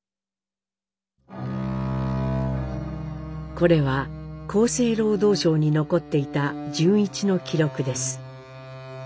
これは厚生労働省に残っていた潤一の記録です。